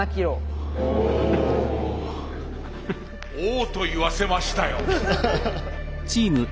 「お」と言わせましたよ！